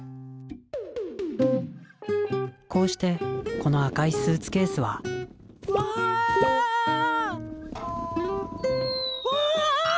こうしてこの赤いスーツケースはわ！わ！